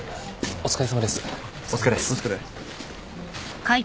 お疲れ。